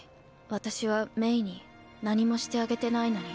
私はメイに何もしてあげてないのに。